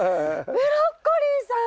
ブロッコリーさん！